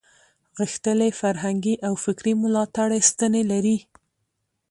غښتلې فرهنګي او فکري ملاتړې ستنې لري.